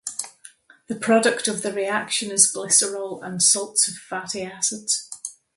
The product of the reaction is glycerol and salts of fatty acids.